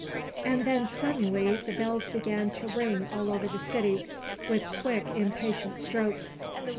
And then suddenly the bells began to ring all over the city with quick impatient strokes.